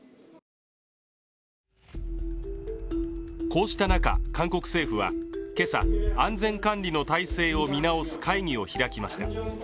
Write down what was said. こうした中、韓国政府は今朝安全管理の体制を見直す会議を開きました。